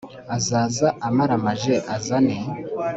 Azaza amaramaje azane